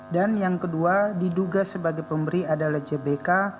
dan yang kedua diduga sebagai pemberi adalah jbk